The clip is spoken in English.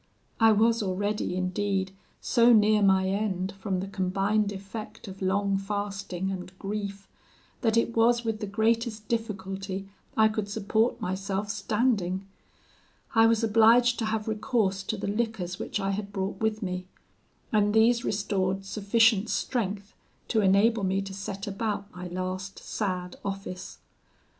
I was already, indeed, so near my end from the combined effect of long fasting and grief, that it was with the greatest difficulty I could support myself standing. I was obliged to have recourse to the liquors which I had brought with me, and these restored sufficient strength to enable me to set about my last sad office.